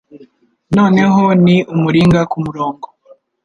noneho ni umuringa kumurongo